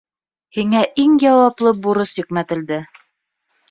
Һиңә иң яуаплы бурыс йөкмәтелде.